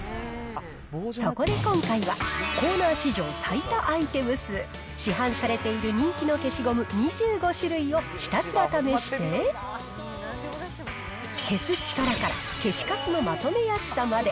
そこで今回は、コーナー史上最多アイテム数、市販されている人気の消しゴム２５種類をひたすら試して、消す力から消しカスのまとめやすさまで。